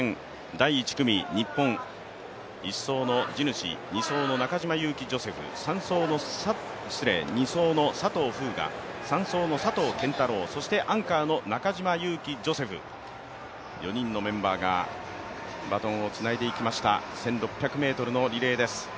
第１組日本、１走の地主、２走の佐藤風雅、３走の佐藤拳太郎、そしてアンカーの中島佑気ジョセフ、４人のメンバーがバトンをつないでいきました、１６００ｍのリレーです。